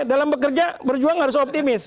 dalam bekerja berjuang harus optimis